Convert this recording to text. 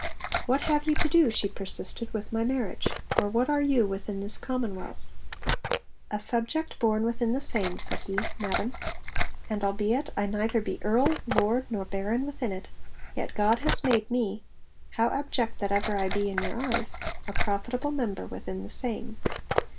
'What have you to do,' she persisted, 'with my marriage? or what are you within this commonwealth?' 'A subject born within the same,' said he, 'Madam. And albeit I neither be earl, lord, nor baron within it, yet has God made me (how abject that ever I be in your eyes) a profitable member within the same.'